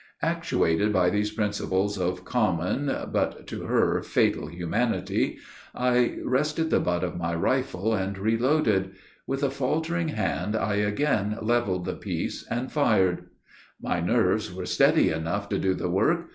Actuated by these principles of common, but to her fatal, humanity, I rested the butt of my rifle, and reloaded. With a faltering hand, I again leveled the piece and fired: My nerves were steady enough to do the work.